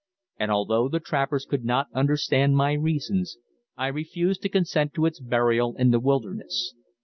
And, although the trappers could not understand my reasons, I refused to consent to its burial in the wilderness.